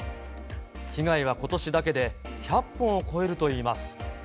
被害はことしだけで、１００本を超えるといいます。